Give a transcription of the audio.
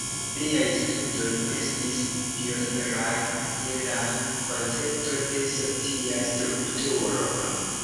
Liaj studoj estis pioniraj je la koncepto de socia strukturo.